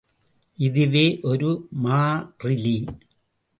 இதுவே ஒரு மாறிலி.